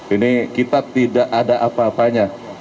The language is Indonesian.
ini kita tidak ada apa apanya